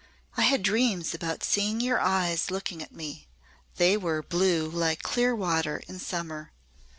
"I had dreams about seeing your eyes looking at me. They were blue like clear water in summer.